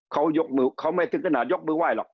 เขายกมือเขาไม่ถึงขนาดยกมือไห้หรอก